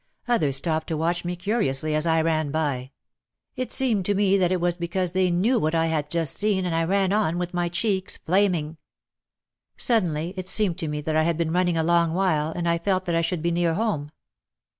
Others stopped to watch me curiously as I ran by. It seemed to me that it was because they knew what I had just seen and I ran on with my cheeks flaming. Suddenly it seemed to me that I had been running a long while and I felt that I should be near home.